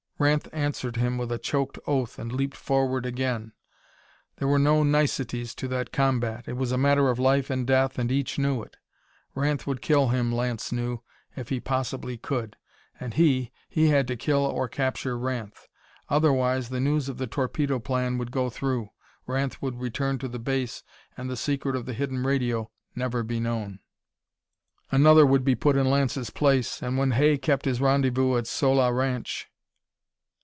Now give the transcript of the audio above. Ranth answered him with a choked oath and leaped forward again. There were no niceties to that combat. It was a matter of life and death, and each knew it. Ranth would kill him, Lance knew, if he possibly could; and he, he had to kill or capture Ranth. Otherwise the news of the Torpedo Plan would go through, Ranth would return to the base, and the secret of the hidden radio never be known. Another would be put in Lance's place; and when Hay kept his rendezvous at Sola Ranch....